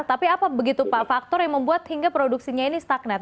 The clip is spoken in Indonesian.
tapi apa begitu pak faktor yang membuat hingga produksinya ini stagnat